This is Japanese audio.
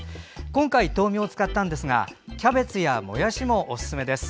今回は豆苗を使ったんですがキャベツやもやしもおすすめです。